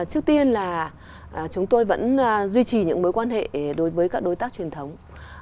trước tiên là chúng tôi vẫn duy trì những mối quan hệ đối với các đối tác truyền thống